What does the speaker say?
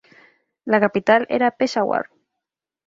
La capital era Peshawar.